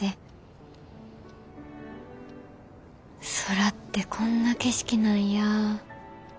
空ってこんな景色なんや。